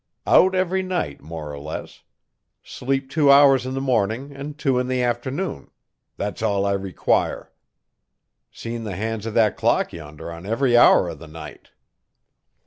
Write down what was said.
Out every night more or less. Sleep two hours in the morning and two in the afternoon that's all I require. Seen the hands o' that clock yonder on every hour of the night.'